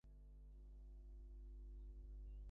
একটু তোমাকে স্থির হইয়া বসিতে হইবে।